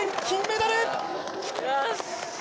金メダル！